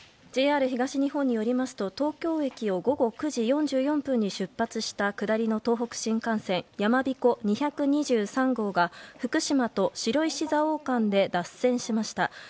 ＪＲ東日本によりますと東京駅を午後９時４４分に出発した下りの東北新幹線やまびこ２２３号が福島と白石蔵王間で脱線しました。